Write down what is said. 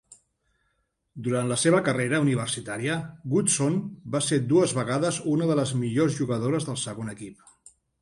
Durant la seva carrera universitària, Goodson va ser dues vegades una de les millors jugadores del segon equip.